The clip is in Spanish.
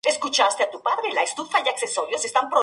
Desde el nacimiento toma dirección norte.